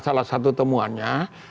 salah satu temuannya